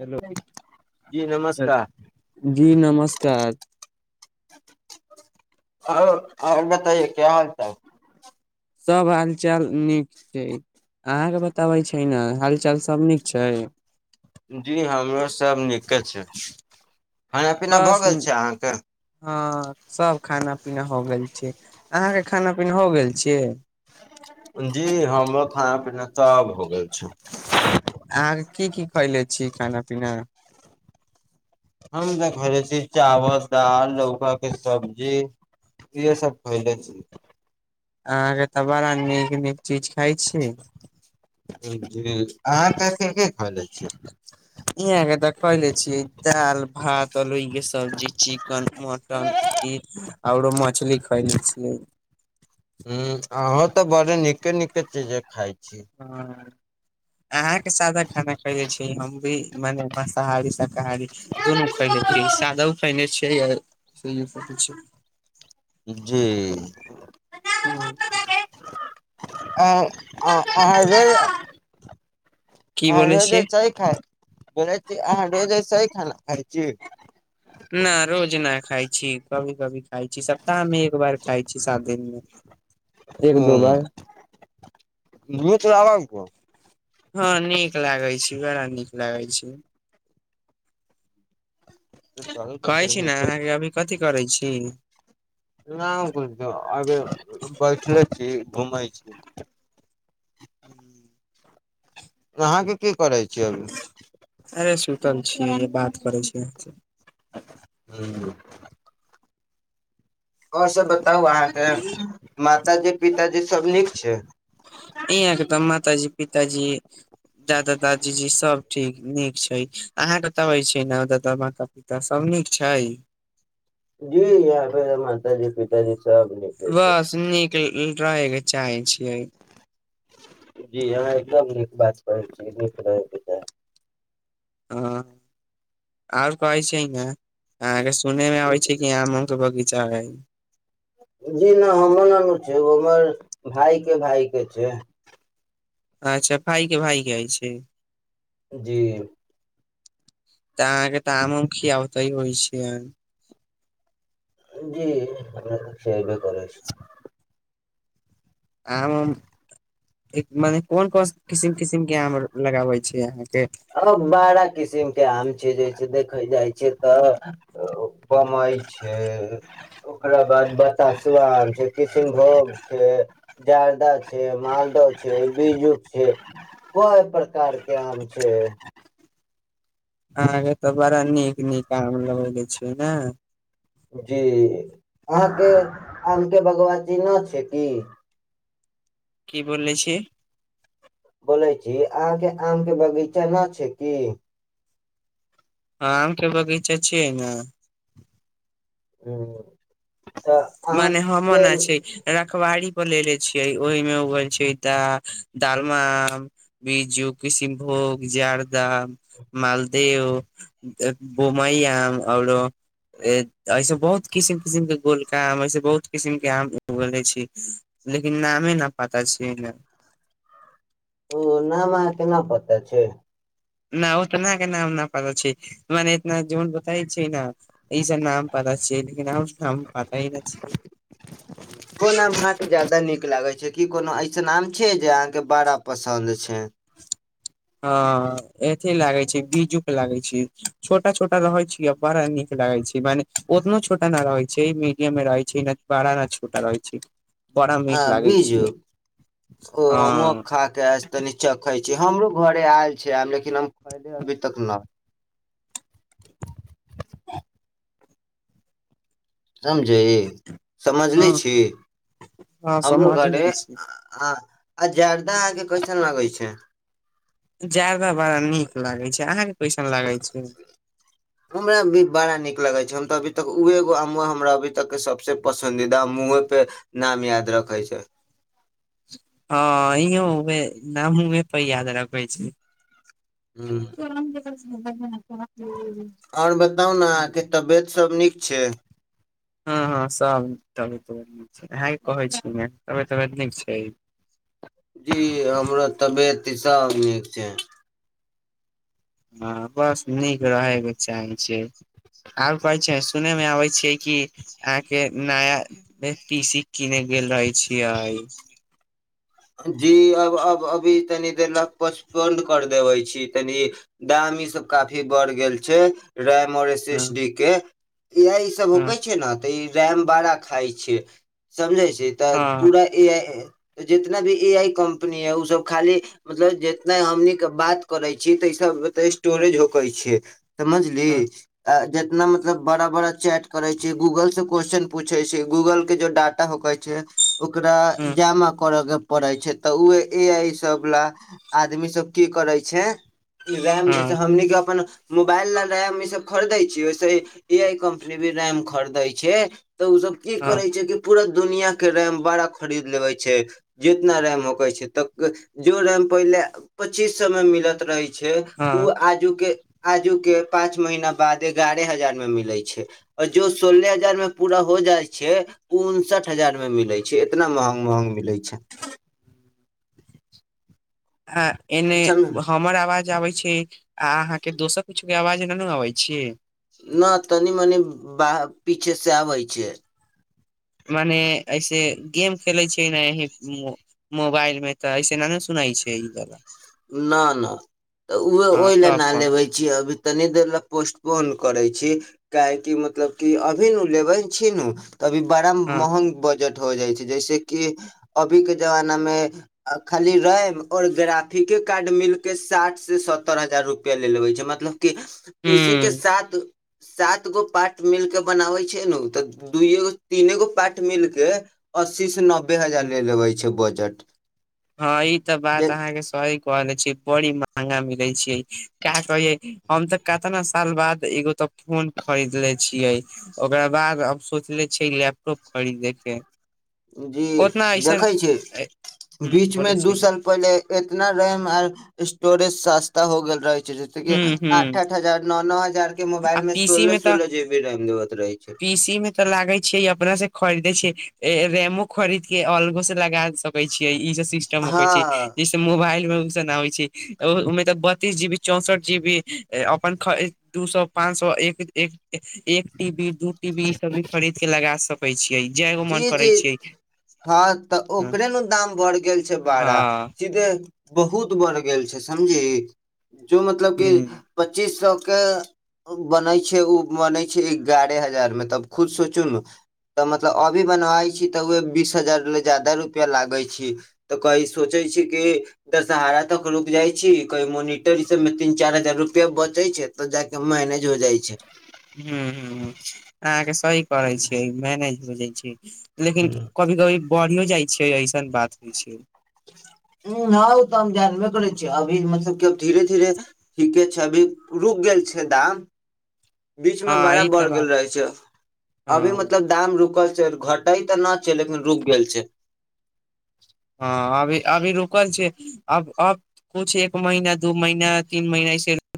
Hello जी नमस्कार जी नमस् कात। आ आ बताइए क्य हाल त। सभ हालचाल नीक छै अहाँके बताबै छै ने हाल चाल सभ नीक छै। जी हमे सब निक। ठीक छै खाना पीना बस भऽ गेल छै अहाँके। हँ सब खाना पीना हो गेल छै अहाँके खाना पीना हो गेल छियै। जी हमरो खाना पीना तब हो गेल छै। अहां के की की खयले छीयै खाना पीना? हम तऽ खयले छी चावल, दाल, लौकाके सब्जी इहेसभ खयले छी। अहाॅं के त बरा नीक नीक चीज खाय छी। जी अहाँ तऽ की की खैले छी यहां के तऽ खैले छियै दाल, भात, अरोई के सब्जी, चिकन, मटन आओरो मछली खयले छल। ह अहाँ तऽ बड़े नीके निके चीज। खाइ छी ह। अहाँके सादा खाना खाले छी हम भी। मने माँसाहारी शाकाहारी दुनू खयने छै सादो खयने छै य सुइो खने छै। जी। आ अाँ र। की आ बोले रोजे छियै चाही खाय। बोल छी आहाँ रोज अइसाही खाना खाय छी। न रोज न खाइ छी कभी कभी। खााय छी सप्ताहमे एक बार खााय छी सात दिन मे एक दो उ बार। [unintelligible] हँ नीक लागै छी बड़ा नीक लागै छी। कहै छी नहि ने अहाँके अभी कथी करै छी। र को अगर बैठल। छी घुमै छी। हू। अहाँके की करै छै। अरे सुूतल छीय बात करै छी। हू। आओर सब बता। बताउ अहाँके मातााजी पिताजी सब नीक। छै। इहाँके तऽ मातााजी पिताजी दादा दादीजी सब ठीक नीक छै अहाँके तऽ अइ छै न दादा माता पिता सब नीक छै। जी यहाँ पे मात जी पिताजी। सब नीके छै वाह सु न। रहै के चाहे छियै। जी अहाँ एकदम नीक बात कहै छीयै नीक रहैके ताह। ह आओर कहै छै ने। अहाँके सुनने मे अै छै कि आम के बगीचा। चाही। जी नहि हमर ननु छै हमर भाय के भाय के छै। अच्छा भाई के भाय केइ छै। जी। तऽ अाँगे तऽ हमम खी ओत होइ छी आहा। जी हमरा खिलाइबें कर। आम मने कोन कोन किसिम किसिम के आम लगाबे छी अहाँ। अ बारा किसिम के आम छै जस देखै जाइ छै। त बम्बई छै ओकरा बाद बतासुआ आम छै किशनभोग छै जारदा छै मालदह छै बीजुक छै कोई प्रकार के आम छै। जे। अहके तऽ बड़ा नीक नीक आम लगै के छैय ने। जी। अहाँके आम। के भगव जी न छै कि। की बोले छी। बोलै छी अहाँके आम के बगीचा न छै की। ह आम के बगीचा छियै ने। ह। मने हन छै रखवड़ी। लेे छियै ओहि मे उग छै त दालमा आम बिज्जू किशनभोग जारदाम मालदेव बोई आम आऔरो ऐस बहुत किसिम। किसमके गोलका आम एहिसे बहुत किसिमके आम उगले छी लेकिन नामे न पात छै ने। ओ नाम अहाँके ना पता छै। न ओ तऽ न के नाम न प छै मने इतना जन बताय छै ने। ई जे नाम पाता छैय लेकिन आर नाम पातइ ने छ। कोन आम अहाँके ज्यादा नीक लागै छै की कोनो ऐसन आम छै जे आहाँ के बड़ा पसंन्द छै। ह। अथे लागे छै बीजू के लागै छै छोटा छोटा रहैत छै आ बड़ा नीक लागे छै मने ओतनो छोटा ने रहै छै मडियम मे रहै छै ने बड़ा ने छोटा रहै छै। बड़ा ह मीठ लागे बीजु छै ओ होमक हँ खा के आज तनी चखइ। हमरो घरे आयल छै आब लेकिन हम खले अभी तक न। समझे हँ समझले छी हँ हमरो समझ घरे। ले छी आजार। सा आके कैसन लागै छै। जादा बड़ा नीक लागैत छै अहाँके। कैसन लागे छै हमरा भी बड़ा नीक। लगै छै हम तऽ अभी तक उगो हमरा अभी तक के सबसँ पसन्दीदा मुँह पे नाम याद रखै छै। हँ अ नाम हमे प याद रखबै छी। स क। [unintelligible] हं। [unintelligible] आओर बताउ ने क तबियत सब नीक। छै। [unintelligible] हँ -हँ सभ तबियत न छै इएह कहै छीिय ने तबियत तबियत नीक छै। जी हमर तबियत ईसाब नीक छै। हँ बस नीक रहयके चाहै छियै आब कहै छै सुनयमे आबै छियै कि अहाँके नया पी सी कीनेय गेल रहै छियै। जी अब अब अभी तनी दे ल पचपन कर देबे छी तनी दाम ई सब काफी बढ़ गेल छै। रैमर एसिस डी के। इह ई सब होकै छै ने। [unintelligible] तऽ ई रैम बड़ा खााय छ समझे छी। ज तऽ पूरा- ई। [unintelligible] जितना भी ए आई कम्पनी है ओ सब खाली मतलब जितना हमनीके बात करै छी तऽ ईस स्टोरेज होकेै छ। समझली [unintelligible] आ- जे। न मतलब बड़ा -बड़ा चैट। करै छियै गूगल से। क्वेेश्चन पूछे छै गूगल के जो डाटा होकै छै। ओकरा जामक। कर के पड़े छै तऽ उह ए सब ला आदमी सब की करै छै। रैम जैसे हमने अपन। मोबाइल ल रैम ई सब खरीदे छियै ओसे- ए आई कम्पनी भी रैम खरीदै छै। तऽ ओसभ की करे छै कि पूरा। दुनिया के रैम बड़ा खरीद लेबे छै। जितना रेम होक छै तऽ- जो रेम पहिले- पच्चीस सए में मिलत रहै छै। छै ओ आजुके। [unintelligible] आजू के पांच महीना बाद एगारह हजार में मिले छै आऔर जो सोलह हजार में पूरा हो जाय छै उनसठ हजार में मिले छै इतना महंग महंग मिले छै। अच्छा। [unintelligible] अ एने हमर आवाज आबे छै आ अहाँ के दोसर कुछ। आवाज नहि ने अबै छीियै। [unintelligible] न तनी मनि ब -पीछे से आबै छै। मने ऐसे गेम खेलैत छैै नेी -मोबाइल मे तऽ ऐसे नहि ने सुनै छै ई गला। न नहि तऽ उह हँ ओहि ले तब ना कोन लेबे छियै अभी। तनी देर लए पोस्टपोन करे छी काहेकि मतलब क अभी न लेबे ह छी न। अभी बड़ा हँ महग। [unintelligible] ट हो जाइ छै जैस कि अभी के जमाना मे खाली रै और ग्राफ। अे कार्ड मिल के साठ से सत्तर हजार रुपआ ले -ले छै मतलब। पीसी के साथ। [unintelligible] सात गो पाट मिलके बनाबै छै ने ओ तऽ दूइएगो तीने गो पाट मिलके अस्सी से नबे। नबे हजार ह ले लेबै छै ब। झट। हँ ई तऽ बात अहाँके सही। कहले छी बड़ी महगा मिले छै क कहे हम तऽ कतना साल बाद एगो तऽ फोन खरीदले छियै ओकरा बाद अब सोचले छियै लैपटॉप खरीदे के। जी ओतना देखै ऐसन छी। ह बीच मे बोलै दू छी साल पहिले इतना रैम आर स्टोरेज। सस्ता हो गेल रहै। ह आठ ह आठ हजार नौ नौ हजार। के आ मोबाइल में पीसी सोलह मे तऽ सोलह जी बी रैम देबत रहे छै पीसी मे तऽ लागे छियै अपना से खरीद। दैइ छै रेमो खरीद के अलगो से लगा सकै छीयै। ई सब सिस्टम हो छै हँ जैसे मोबाइल मे। नहि होइ छै ओहिमे तऽ बत्तीस जी बी चौंसठ जी बी अपन। दू सए पांच सए एक एक टीबी दू टीबी ई सब भी खरीद के लगा सक। जी जी हँ तऽ हँ ओकरे ने दाम बढ़ गेल छै बाड़ा ह्म सीधे। बहुत बढ़ गेल छै समझी। जो मतलब की पच्चीस सौ। के बनै छै ओ बनै छै एगारह हजार मे तब खुद सोचू ने। तऽ मतलब अभी बनाबे छी तऽ उह बीस हजार ले जादा रुपआ लागे छी तऽ कही सोचे छी क दशहारा तक रुक जाय छी कई मोनिटर ई सब में तीन चार हजार रुपआ बचे छै तब ज के मैनेज हो जाय। ह ह अहाँके सही करै छीयै मैनेज भ जाय छै। लेकिन कभी कभी बढ़। जाइ छै एऐसन बात होइ छै। ह हँ ओ तऽ हम जानबे करै छियै अभी मतलब कब धीरे धीरे ठीके छै अभी रुक गेल छै दाम। बीच में हँ बड़ा ई तऽ बढ़ गेल बात रहे छै अभी हँ मतलब दाम रुकल। घटइ तऽ न छै लेकिन रूक गेल छै। ल छै अब अब कुछ एक महीना दू महीना तीन महीनाे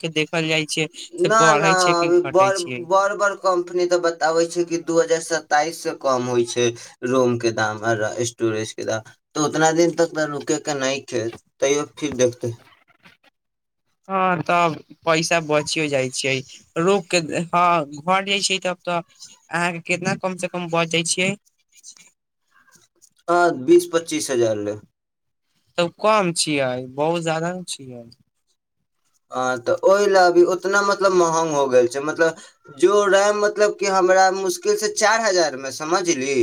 के देखल जाइ छै। से न न बढ़ै छै कि अभी ब घटै छियै बड़ बड़ कम्पनी तऽ बताबै छै कि दू हजार। सताइस से कम होइ छै रूम के दाम आर स्टोरेज के दाम तऽ उतना दिन तक रुकै के नहि ख तैयो फिर देखते। हँ तब पैसा बचियो जाइ छियै रोकि कऽ हँ घर जाइ छियै तब तऽ अहाँके कितना कमसँ कम बचि जाइ छियै। हँ बीस पच्चीस हजार ले। तब कम छियै बहुत जादा ने छियै। हँ तऽ ओहि लए अभी उतना मतलब महग हो गेल छै मतलब जो रैम मतलब कि हमरा मुश्किलसँ चारि हजारमे समझली।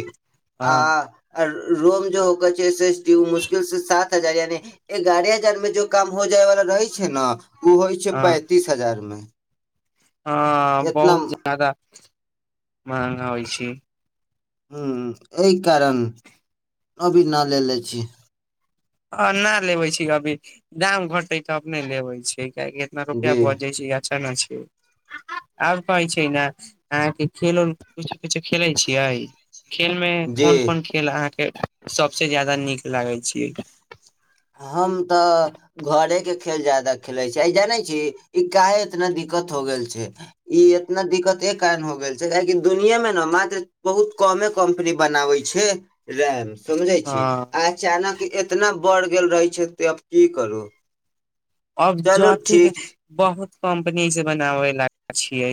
आ हँ और। रोम जो होकर छै एस टी ओ मुश्किल से सात हजार यानि एग्यारह हजार में जो काम हो जाय वाला रहे छै न। ओ होइ छै हँ पैंतीस हजार मे। हँ एतना बहुत जादा। महंगा होइ छी। ह एहि कारण अभी न लेलेने छी। ह नहि लेबे छी अभी दाम घटे तब नहि लेबे छी। के इतना रुपआ जी बच जाइ छै। चना छै आब कहै छै ने अहाँके खेल कछो कछो खेलै छियै। खेल में जी कोन कोन खेल अहाँके सबसे ज्यादा नीक लागैत छै। हम तऽ घरे के खेल जादा खेले छियै। आ जानै छी ई काहे इतना दिक्कत हो गेल छै? ई एतना दिक्कते कारन हो गेल। कि दुनिया में ने मात्र बहुत कमे कम्पनी बनावे छै रैम। समझे छी हँ अचानक कि एतना बड़ गेल रहै छथि तऽ आब की करू अब चलू जाति के ठीक बहुत कम्पनीसँ बनाबै ल छियै।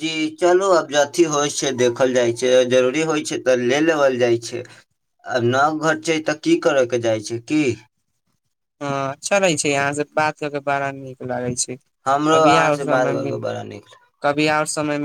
जी चलू आब जे अथी होइ छै। देखल जाइ छै जरूरी होइ छै तऽ ले लेवल जाइ छै। आ नाव घर छै तऽ की करयके जाइ छै की? ह चले छै। अहाँ से बात कर के बड़ा नीक लागे छै। हमरो कभी अहाँ से बात करके बड़ा नीक लागल। समयमे